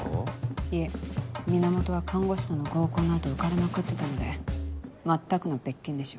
いえ源は看護師との合コンの後浮かれまくってたので全くの別件でしょう。